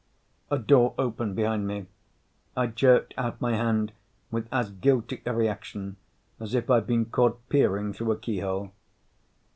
A door opened behind me. I jerked out my hand with as guilty a reaction as if I'd been caught peering through a keyhole.